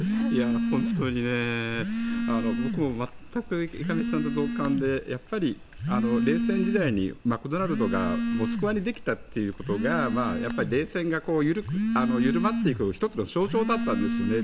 本当に僕も全く池上さんと同感でやっぱり冷戦時代にマクドナルドがモスクワにできたということが冷戦が緩まっていく１つの象徴だったんですよね。